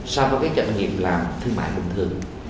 so với các chợ doanh nghiệp làm thương mại bình thường